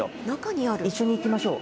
一緒に行きましょう。